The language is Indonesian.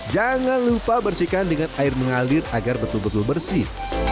jangan lupa bersihkan dengan air mengalir agar betul betul bersih